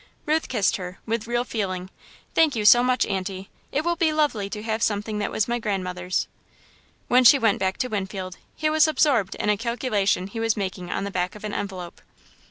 Ruth kissed her, with real feeling. "Thank you so much, Aunty. It will be lovely to have something that was my grandmother's." When she went back to Winfield, he was absorbed in a calculation he was making on the back of an envelope.